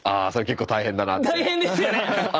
大変ですよね